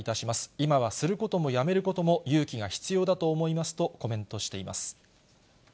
今はすることもやめることも勇気が必要だと思いますとコメントし